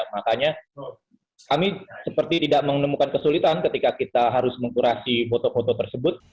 makanya kami seperti tidak menemukan kesulitan ketika kita harus mengkurasi foto foto tersebut